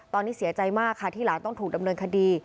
ตอนนี้เสียใจมากค่ะที่หลานต้องถูกดำเนินคดี